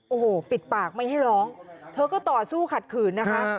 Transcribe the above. โอ้โหปิดปากไม่ให้ร้องเธอก็ต่อสู้ขัดขืนนะคะ